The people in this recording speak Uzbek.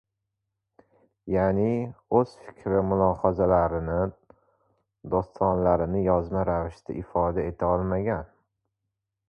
Ya’ni, o‘z fikr-mulohazalarini, dostonlarini yozma ravishda ifoda eta olmagan.